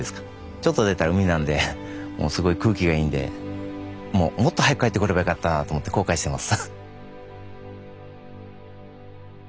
ちょっと出たら海なんでもうすごい空気がいいんでもうもっと早く帰ってこればよかったなと思って後悔してます。